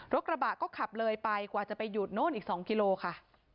กระบะก็ขับเลยไปกว่าจะไปหยุดโน่นอีก๒กิโลค่ะ